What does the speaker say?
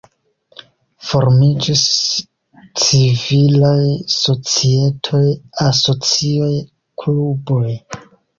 Formiĝis civilaj societoj, asocioj, kluboj.